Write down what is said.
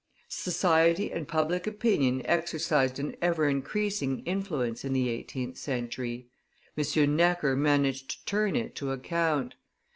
Society and public opinion exercised an ever increasing influence in the eighteenth century; M. Necker managed to turn it to account.